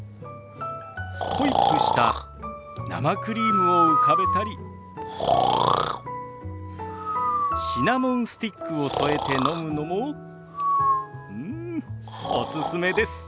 ホイップした生クリームを浮かべたりシナモンスティックを添えて飲むのもうんおすすめです。